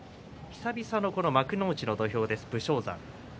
久々の幕内の土俵です、武将山。